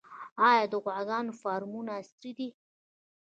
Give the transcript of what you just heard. آیا د غواګانو فارمونه عصري دي؟